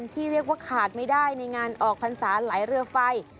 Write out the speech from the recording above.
ที่เรียกว่าขาดไม่ได้ในงานออกพรรษาไหลเรือไฟ